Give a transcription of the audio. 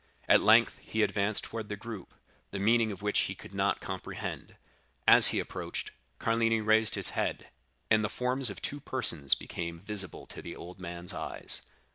At length he advanced toward the group, the meaning of which he could not comprehend. As he approached, Carlini raised his head, and the forms of two persons became visible to the old man's eyes.